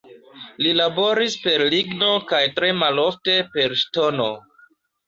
Li laboris per ligno kaj tre malofte per ŝtono.